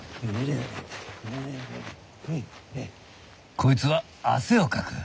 こいつは汗をかく。